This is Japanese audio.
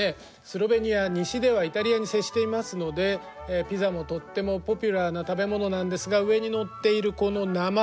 スロベニア西ではイタリアに接していますのでピザもとってもポピュラーな食べ物なんですが上に載っているこの生ハム